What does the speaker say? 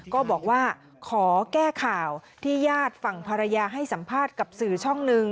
ก็บอกว่าขอแก้ข่าวที่ญาติฝั่งภรรยาให้สัมภาษณ์กับสื่อช่องหนึ่ง